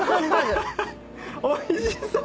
おいしそう！